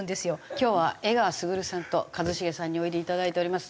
今日は江川卓さんと一茂さんにおいでいただいております。